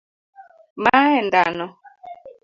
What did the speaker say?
ma en dhano